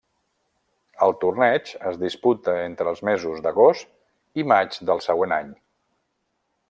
El torneig es disputa entre els mesos d'agost i maig del següent any.